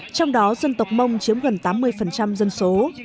trong đó dân tộc mông chiếm gần tám mươi dân số